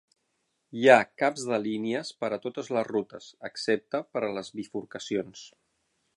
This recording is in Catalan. Hi ha caps de línies per a totes les rutes, excepte per a les bifurcacions.